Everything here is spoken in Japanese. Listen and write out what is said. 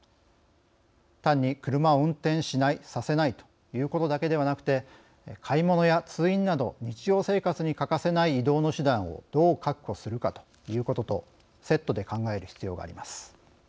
単に車を運転しないさせないということだけではなくて買い物や通院など日常生活に欠かせない移動の手段をどう確保するかということとセットで考える必要があります。